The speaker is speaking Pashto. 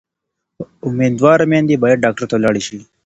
امیندواره میندې باید ډاکټر ته لاړې شي.